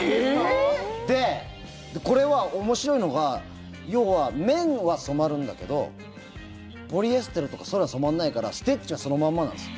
で、これは面白いのが要は綿は染まるんだけどポリエステルとかそういうのは染まらないからステッチはそのまんまなんです。